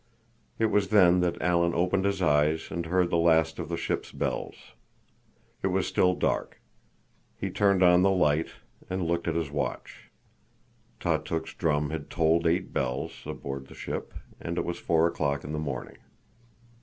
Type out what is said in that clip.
It was then that Alan opened his eyes and heard the last of the ship's bells. It was still dark. He turned on the light and looked at his watch. Tautuk's drum had tolled eight bells, aboard the ship, and it was four o'clock in the morning.